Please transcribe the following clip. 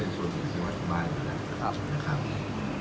โปรดติดตามตอนต่อไป